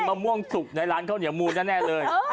มะม่วงสุกในร้านข้าวเหนียวมูลแน่เลย